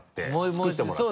作ってもらって。